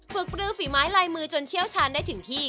ปลือฝีไม้ลายมือจนเชี่ยวชาญได้ถึงที่